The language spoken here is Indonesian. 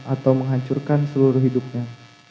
atau menghancurkan seluruh hidupnya